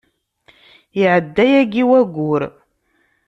Iɛedda yagi wayyur.